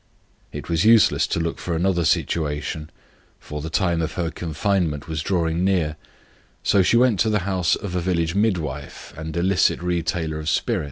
It was useless to look for another situation, for the time of her confinement was drawing near, so she went to the house of a village midwife, who also sold wine.